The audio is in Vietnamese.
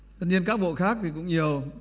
tất nhiên các bộ khác thì cũng nhiều